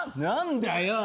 何だよ。